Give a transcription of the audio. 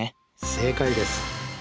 正解です。